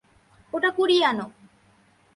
ওটা কুড়িয়ে আনো।